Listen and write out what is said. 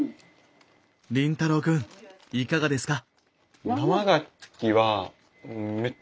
凛太郎くんいかがですか？